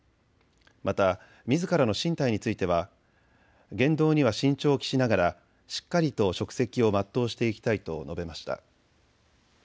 またみずからの進退については、言動には慎重を期しながらしっかりと職責を全うしていきたいと述べました。